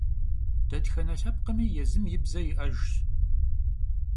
Detxene lhepkhmi yêzım yi bze yi'ejjş.